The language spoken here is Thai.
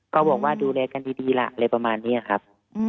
ก็บอกว่าดูแลกันดีล่ะอะไรประมาณนี้ครับ